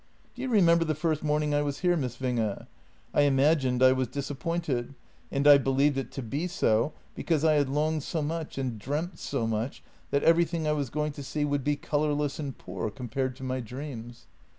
" Do you remember the first morning I was here, Miss Winge? I imagined I was disappointed, and I believed it to be because I had longed so much and dreamt so much that everything I was going to see would be colourless and poor, compared to my dreams.